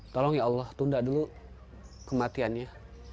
tolong ya allah tunda dulu kematiannya